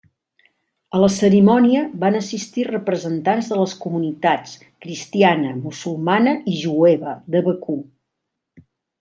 A la cerimònia van assistir representants de les comunitats cristiana, musulmana i jueva de Bakú.